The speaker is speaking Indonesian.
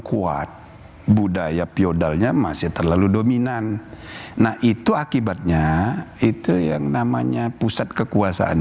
kuat budaya piodalnya masih terlalu dominan nah itu akibatnya itu yang namanya pusat kekuasaan